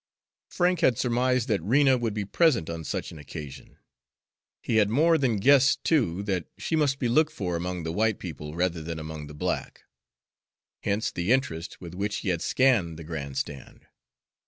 Frank had surmised that Rena would be present on such an occasion. He had more than guessed, too, that she must be looked for among the white people rather than among the black. Hence the interest with which he had scanned the grand stand.